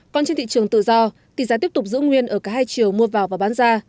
còn trên thị trường tự do tỷ giá tiếp tục giữ nguyên ở cả hai chiều mua vào và bán ra